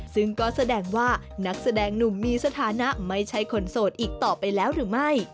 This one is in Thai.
ซึ่งก็แสดงว่านักแสดงหนุ่มมีสถานะไม่ใช่คนโสดอีกต่อไปแล้วหรือไม่